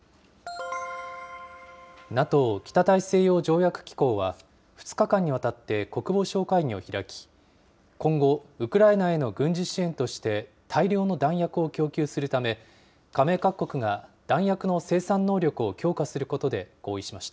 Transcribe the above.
ＮＡＴＯ・北大西洋条約機構は２日間にわたって国防相会議を開き、今後、ウクライナへの軍事支援として大量の弾薬を供給するため、加盟各国が弾薬の生産能力を強化することで合意しました。